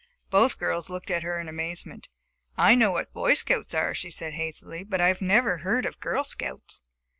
Both girls looked at her in amazement. "I know what Boy Scouts are," she said hastily, "but I never heard of Girl Scouts."